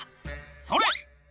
それ！